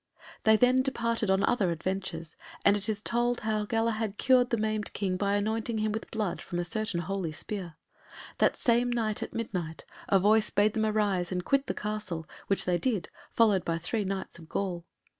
They then departed on other adventures, and it is told how Galahad cured the maimed King by anointing him with blood from a certain holy spear. That same night at midnight a voice bade them arise and quit the castle, which they did, followed by three Knights of Gaul.